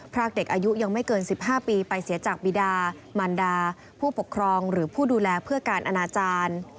รากเด็กอายุยังไม่เกิน๑๕ปีไปเสียจากบิดามันดาผู้ปกครองหรือผู้ดูแลเพื่อการอนาจารย์